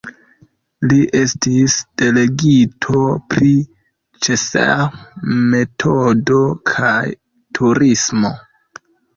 Li estis delegito pri Ĉseh-metodo kaj turismo.